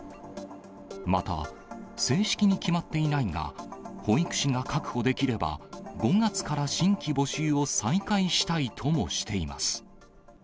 また、正式に決まっていないが、保育士が確保できれば５月から新規募集を再開したいともしています。